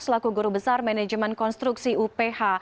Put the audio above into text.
selaku guru besar manajemen konstruksi uph